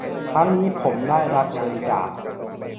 ครั้งนี้ผมได้รับเชิญจาก